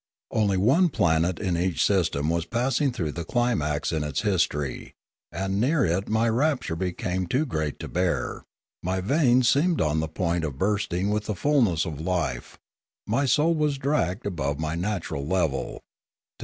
Only one planet in each system was passing through the climax in its history, and near it my rapture became too great to bear; my veins seemed on the point of bursting with the fulness of life; my soul was dragged above my natural level, till